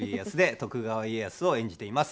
徳川家康を演じています